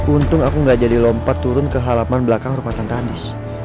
untung aku gak jadi lompat turun ke halaman belakang rumah tantanis